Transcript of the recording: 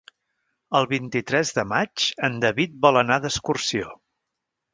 El vint-i-tres de maig en David vol anar d'excursió.